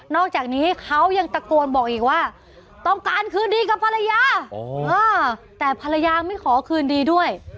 อกจากนี้เขายังตะโกนบอกอีกว่าต้องการคืนดีกับภรรยาแต่ภรรยาไม่ขอคืนดีด้วย